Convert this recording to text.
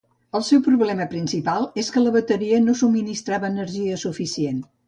El seu problema principal és que la bateria no subministrava energia suficient.